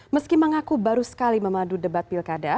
meski mengaku baru sekali memadu debat pilkada